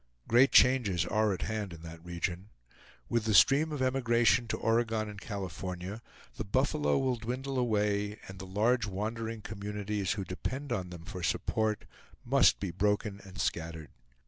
Great changes are at hand in that region. With the stream of emigration to Oregon and California, the buffalo will dwindle away, and the large wandering communities who depend on them for support must be broken and scattered.